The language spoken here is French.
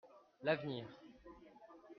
L'avenir.